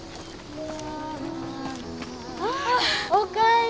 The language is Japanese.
ああおかえり。